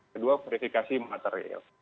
kedua verifikasi material